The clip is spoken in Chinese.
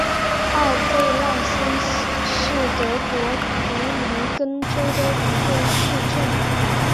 奥贝赖森是德国图林根州的一个市镇。